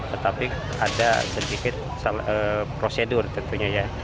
tetapi ada sedikit prosedur tentunya ya